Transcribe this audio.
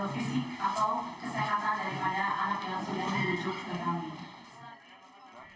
kami juga akan mencoba untuk mencoba